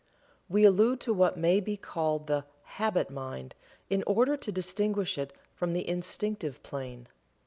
We allude to what may be called the "Habit Mind," in order to distinguish it from the Instinctive Plane.